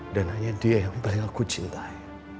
dan hanya dia yang beli aku cintai